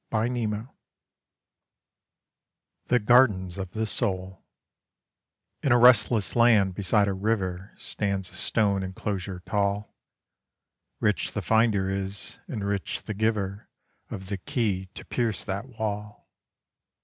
XXVIII THE GARDENS OF THE SOUL IN a restless land beside a river Stands a stone enclosure tall, Rich the finder is, and rich the giver Of the key to pierce that wall.